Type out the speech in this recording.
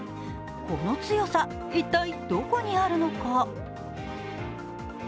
この強さ、一体どこにあるのか？